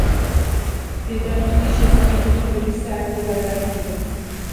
დედამისის შესახებ ცნობები საერთოდ არ არსებობს.